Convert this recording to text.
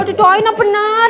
ditoain ah bener